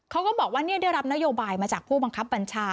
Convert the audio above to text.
เขาก็บอกว่าได้รับนโยบายมาจากผู้บังคับบัญชา